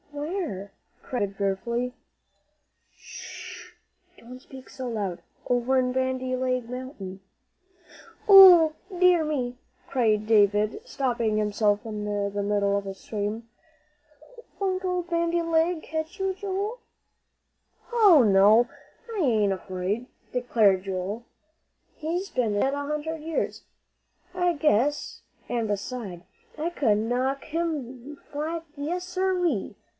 "Where?" cried David, fearfully. "Sh! don't speak so loud. Over in 'Bandy Leg Mountain.'" "Ooh, dear me!" cried David, stopping himself in the middle of a scream. "Won't old 'Bandy Leg' catch you, Joel?" "Hoh no, I ain't afraid!" declared Joel. "He's been dead a hundred years, I guess. An' beside, I could knock him flat, yes, sir ree!"